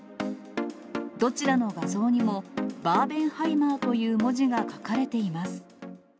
どちらの画像にも、バーベンハイマーという文字が書かれています。